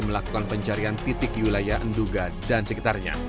melakukan pencarian titik di wilayah enduga dan sekitarnya